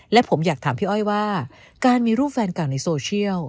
และผมอยากถามพี่อ้อยว่าการมีรูปแฟนเก่าในโซเชียล